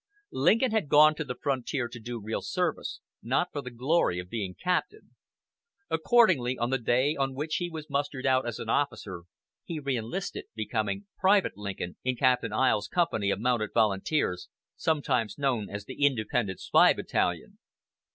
Lincoln had gone to the frontier to do real service, not for the glory of being captain. Accordingly, on the day on which he was mustered out as an officer he re enlisted, becoming Private Lincoln in Captain Iles's company of mounted volunteers, sometimes known as the Independent Spy Battalion.